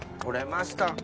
取れました。